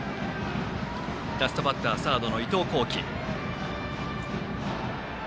ラストバッターサードの伊藤光輝。